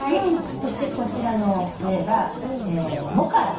そしてこちらの上がモカラ。